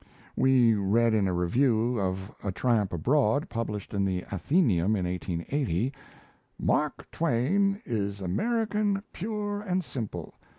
We read in a review of 'A Tramp Abroad', published in The Athenaeum in 1880: "Mark Twain is American pure and simple.